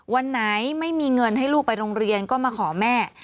วันไหนไม่มีเงินให้ลูกไปโรงเรียนก็มาขอแม่